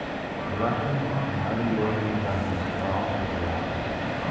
The Russian and other European governments are also aroused.